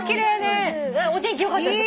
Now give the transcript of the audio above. お天気良かったです。